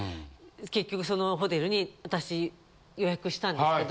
結局そのホテルに私予約したんですけど。